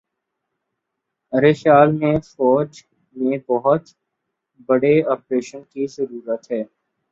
ارے خیال میں فوج میں بہت بڑے آپریشن کی ضرورت ہے